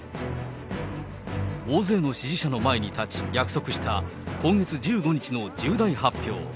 大勢の支持者の前に立ち、約束した今月１５日の重大発表。